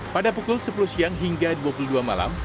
pada pukul sepuluh siang hingga dua puluh dua malam